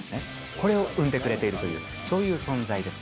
これを生んでくれているという、そういう存在です。